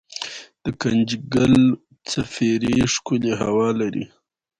دګنجګل څپری ښکلې هوا لري